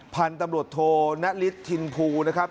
พันธุ์ตำรวจโทนฤทธินภูนะครับ